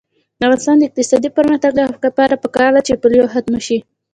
د افغانستان د اقتصادي پرمختګ لپاره پکار ده چې پولیو ختمه شي.